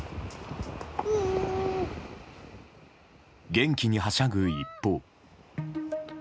元気にはしゃぐ一方。